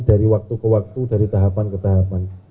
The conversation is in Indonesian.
dari waktu ke waktu dari tahapan ke tahapan